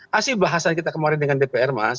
hasil bahasan kita kemarin dengan dpr mas